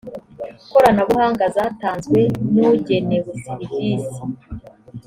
koranabuhanga zatanzwe n ugenewe serivisi